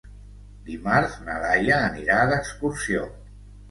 Dimarts na Laia anirà d'excursió.